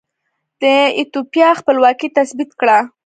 د ایتوپیا خپلواکي تثبیت کړه.